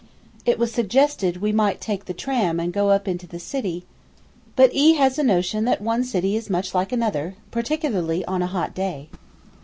It was suggested we might take the tram and go up into the City; but E has a notion that one city is much like another, particularly on a hot day.